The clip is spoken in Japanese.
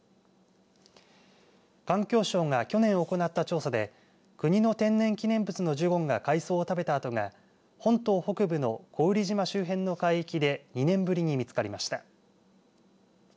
環境省が去年行った調査で国の天然記念物のジュゴンが海草を食べた跡が本島北部の古宇利島周辺の海域で２年ぶりに見つかりました。